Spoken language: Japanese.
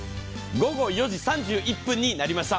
午後４時３１分になりました。